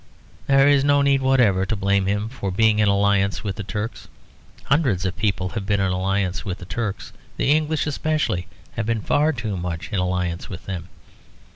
There is no need whatever to blame him for being in alliance with the Turks; hundreds of people have been in alliance with the Turks; the English especially have been far too much in alliance with them.